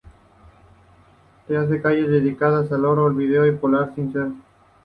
Tiene calles dedicadas en Haro, Oviedo y Pola de Siero.